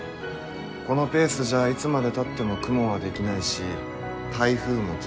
このペースじゃいつまでたっても雲は出来ないし台風も来ませんよ？